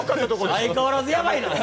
相変わらず、ヤバいな。